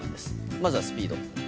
まずはスピード。